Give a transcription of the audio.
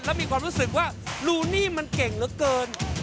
แล้วมีความรู้สึกว่าลูนี่มันเก่งเหลือเกิน